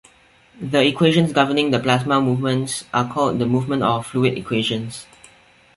The equations governing the plasma moments are called the moment or fluid equations.